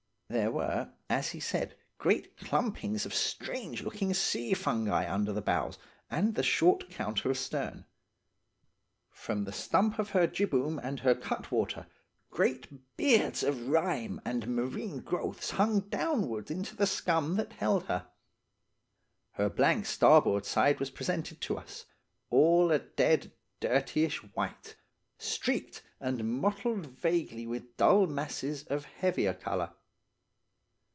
"There were, as he said, great clumpings of strange looking sea fungi under the bows and the short counter astern. From the stump of her jibboom and her cutwater great beards of rime and marine growths hung downward into the scum that held her in. Her blank starboard side was presented to us–all a dead, dirtyish white, streaked and mottled vaguely with dull masses of heavier colour.